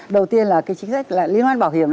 đầu tiên là cái chính sách là liên quan bảo hiểm